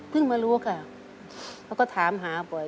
มารู้ค่ะเขาก็ถามหาบ่อย